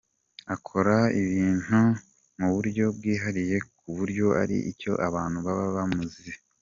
Akora ibintu mu buryo bwihariye ku buryo ari cyo abantu baba bamuziho.